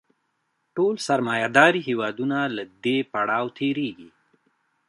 ټول سرمایه داري هېوادونه له دې پړاو تېرېږي